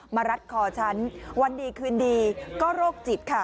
รัดคอฉันวันดีคืนดีก็โรคจิตค่ะ